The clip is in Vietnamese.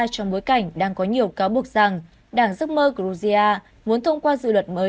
trong bối cảnh đang có nhiều cáo buộc rằng đảng giấc mơ georgia muốn thông qua dự luật mới